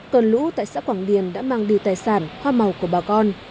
cơn lũ tại xã quảng điền đã mang đi tài sản hoa màu của bà con